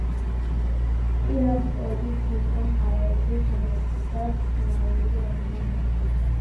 პილასტრების ვიწრო მხარეებზე შემორჩენილია კიბისებრი და მცენარეული ორნამენტი.